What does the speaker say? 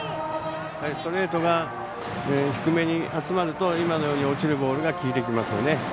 ストレートが低めに集まると落ちるボールが効いてきますよね。